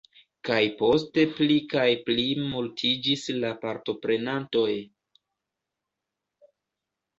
Kaj poste pli kaj pli multiĝis la partoprenantoj.